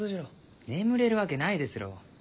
眠れるわけないですろう。